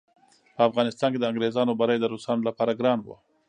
په افغانستان کې د انګریزانو بری د روسانو لپاره ګران وو.